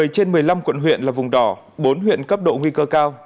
một mươi trên một mươi năm quận huyện là vùng đỏ bốn huyện cấp độ nguy cơ cao